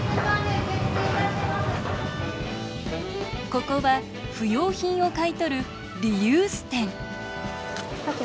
ここは不用品を買い取るリユース店